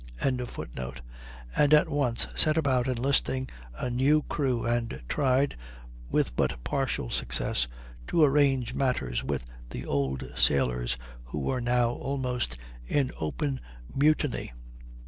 ] and at once set about enlisting a new crew, and tried, with but partial success, to arrange matters with the old sailors, who were now almost in open mutiny.